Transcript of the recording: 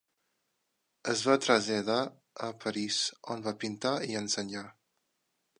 Es va traslladar a París, on va pintar i ensenyar.